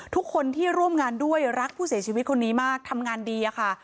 ทุกคนที่ร่วมงานด้วยรักผู้เสียชีวิตคนนี้มากทำงานดีอะค่ะ